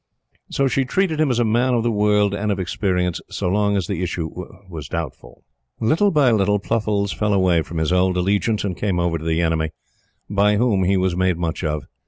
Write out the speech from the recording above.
So she treated him as a man of the world and of experience so long as the issue was doubtful. Little by little, Pluffles fell away from his old allegiance and came over to the enemy, by whom he was made much of.